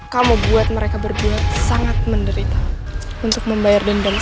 kamu buat mereka berdua sangat menderita untuk membayar dendam